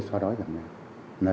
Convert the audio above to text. so đói giảm nghèo